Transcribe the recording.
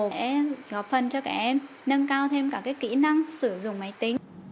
sẽ góp phần cho các em nâng cao thêm cả kỹ năng sử dụng máy tính